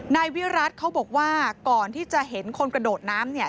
นายวิรัติเขาบอกว่าก่อนที่จะเห็นคนกระโดดน้ำเนี่ย